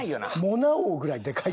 モナ王ぐらいでかい。